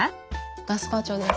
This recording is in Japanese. ガスパチョです。